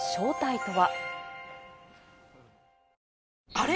あれ？